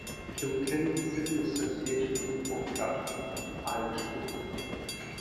Kilkenny City Association Football Club was an Irish football club.